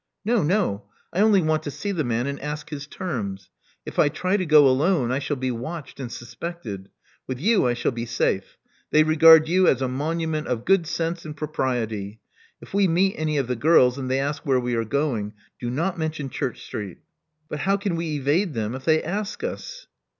No, no. I only want to see the man and ask his terms. If I try to go alone, I shall be watched and suspected. With you I shall be safe : they regard you as a monument of good sense and propriety. If we meet any of the girls, and they ask where we are going, do not mention Church Street." But how can we evade them if they ask us?"